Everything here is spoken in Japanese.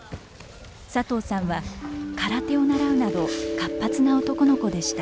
佐藤さんは空手を習うなど活発な男の子でした。